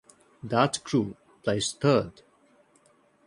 That crew placed third.